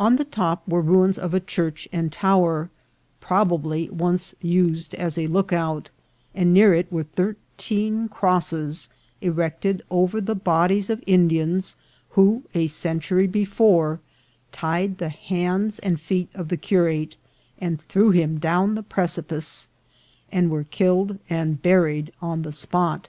On the top were ruins of a church and tower, probably once used as a lookout, and near it were thir teen crosses erected over the bodies of Indians, who, a century before, tied the hands and feet of the curate, and threw him down the precipice, and were killed and buried on the spot.